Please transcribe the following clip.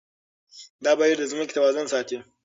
دا بهير د ځمکې توازن ساتي.